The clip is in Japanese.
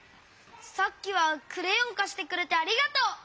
さっきはクレヨンかしてくれてありがとう！